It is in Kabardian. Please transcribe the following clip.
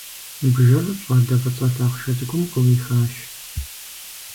Бжэр щӀалэ фӀыцӀэ лъахъшэ цӀыкӀум къыӀуихащ.